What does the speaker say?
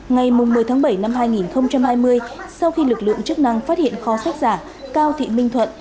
ngày một mươi tháng bảy năm hai nghìn hai mươi sau khi lực lượng chức năng phát hiện kho sách giả cao thị minh thuận